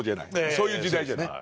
そういう時代じゃない？